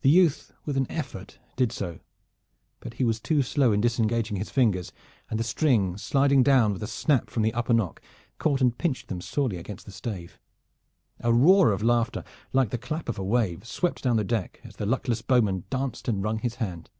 The youth with an effort did so, but he was too slow in disengaging his fingers, and the string sliding down with a snap from the upper nock caught and pinched them sorely against the stave. A roar of laughter, like the clap of a wave, swept down the deck as the luckless bowman danced and wrung his hand.